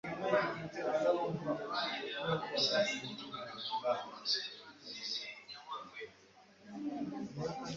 Ufaransa Emmanuel Macron amesema kuwa idadi ya maafa